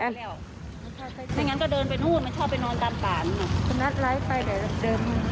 ไม่งั้นก็เดินไปนู้นมันชอบไปนอนตามป่านเนี่ย